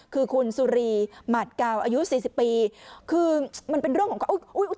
คือคุณสุรีหมาดกาวอายุสี่สิบปีคือมันเป็นเรื่องของก็อุ้ย